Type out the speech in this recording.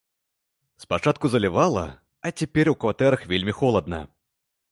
Спачатку залівала, а цяпер у кватэрах вельмі холадна.